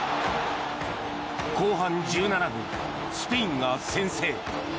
後半１７分、スペインが先制。